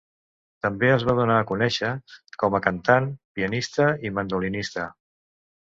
També es va donar a conèixer com a cantant, pianista i mandolinista.